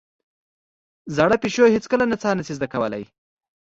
زاړه پيشو هېڅکله نڅا نه شي زده کولای.